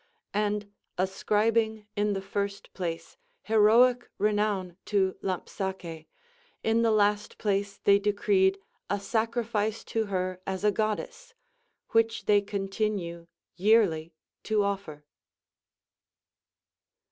And ascribing in the first place heroic renown to Lampsace, in the last place they decreed a sacrifice to her as a Goddess, which they continue yearly to offer.